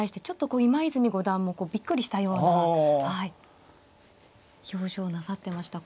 こう今泉五段もびっくりしたような表情をなさってました。